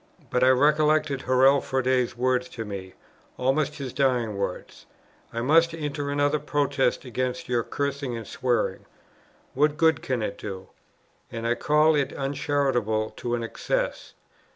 But I recollected Hurrell Froude's words to me, almost his dying words, "I must enter another protest against your cursing and swearing. What good can it do? and I call it uncharitable to an excess.